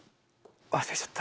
忘れちゃった。